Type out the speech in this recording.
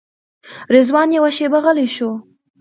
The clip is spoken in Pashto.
رضوان یوه شېبه غلی شو.